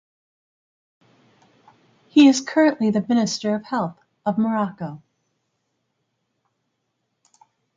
He is currently the Minister of Health of Morocco.